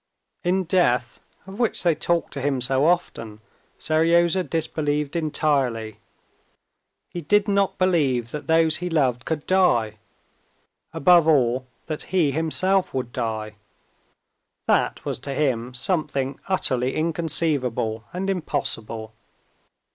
In death, of which they talked to him so often, Seryozha disbelieved entirely. He did not believe that those he loved could die, above all that he himself would die. That was to him something utterly inconceivable and impossible.